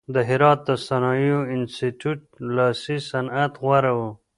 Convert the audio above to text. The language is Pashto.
د هرات د صنایعو د انستیتیوت لاسي صنعت غوره و.